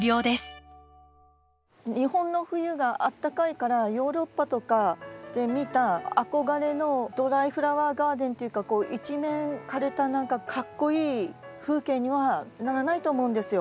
日本の冬があったかいからヨーロッパとかで見た憧れのドライフラワーガーデンっていうか一面枯れた何かかっこいい風景にはならないと思うんですよ。